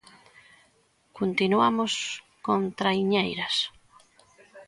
Continuamos con traiñeiras.